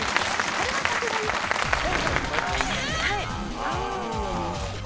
これはさすがに大丈夫。